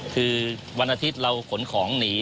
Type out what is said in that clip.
คือวันอาทิตย์เราขนของหนี